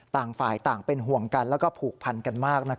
ต่างฝ่ายต่างเป็นห่วงกันแล้วก็ผูกพันกันมาก